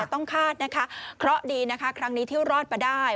ต้องคาดนะคะเคราะห์ดีนะคะครั้งนี้ที่รอดมาได้